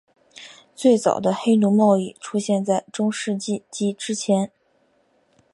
最早的黑奴贸易出现在中世纪及之前。